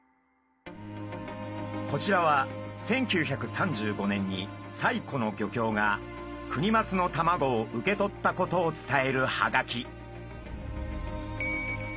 こちらは１９３５年に西湖の漁協がクニマスの卵を受け取ったことを伝えるハガキ。